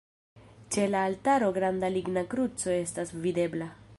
Ĉe la altaro granda ligna kruco estas videbla.